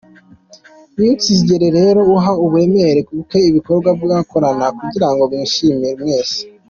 Ntukigere rero uha uburemere buke ibikorwa mwakorana kugira ngo mwishime mwese.